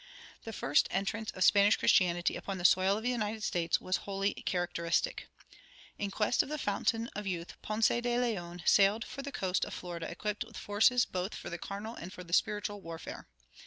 The first entrance of Spanish Christianity upon the soil of the United States was wholly characteristic. In quest of the Fountain of Youth, Ponce de Leon sailed for the coast of Florida equipped with forces both for the carnal and for the spiritual warfare.